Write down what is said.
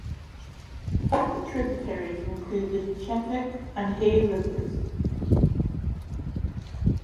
Important tributaries include the Chetek and Hay Rivers.